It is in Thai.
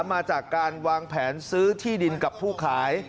มาจากการวางแผนซื้อที่ดินกับผู้ขาย